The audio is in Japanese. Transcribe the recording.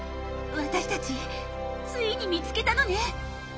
私たちついに見つけたのね！